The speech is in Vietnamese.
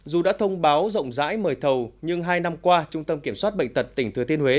dù đã thông báo rộng rãi mời thầu nhưng hai năm qua trung tâm kiểm soát bệnh tật tỉnh thừa thiên huế